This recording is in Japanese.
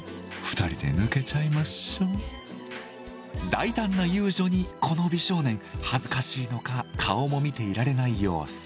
大胆な遊女にこの美少年恥ずかしいのか顔も見ていられない様子。